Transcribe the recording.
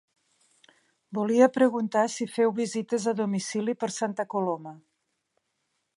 Volia preguntar si feu visites a domicili per Santa Coloma?